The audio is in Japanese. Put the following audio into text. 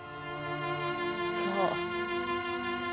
そう。